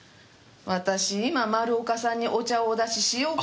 私今丸岡さんにお茶をお出ししようかと。